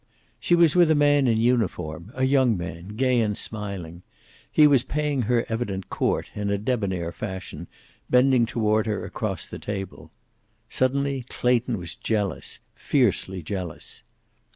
She was with a man in uniform, a young man, gay and smiling. He was paying her evident court, in a debonair fashion, bending toward her across the table. Suddenly Clayton was jealous, fiercely jealous.